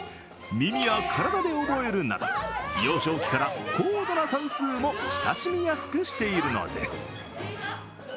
耳や体で覚えるなど幼少期から高度な算数も親しみやすくしているのです。